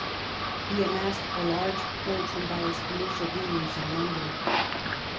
He amassed a large f ortime by his commercial dealings in London.